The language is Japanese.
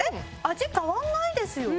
味変わらないですよ。